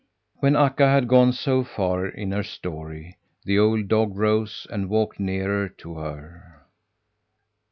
'" When Akka had gone so far in her story the old dog rose and walked nearer to her.